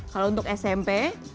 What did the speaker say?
kalau untuk smp